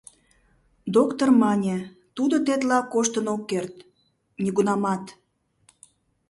Доктыр мане, тудо тетла коштын ок керт... нигунамат.